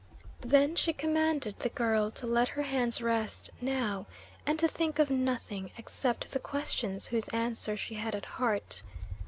Then she commanded the girl to let her hands rest now and to think of nothing except the questions whose answer she had at heart.